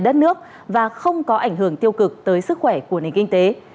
đất nước và không có ảnh hưởng tiêu cực tới sức khỏe của nền kinh tế